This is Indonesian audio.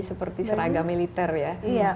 seperti seragam militer ya